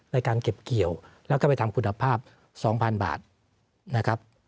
ในการเก็บเกี่ยวแล้วก็ไปทำคุณภาพ๒๐๐๐บาทนะครับ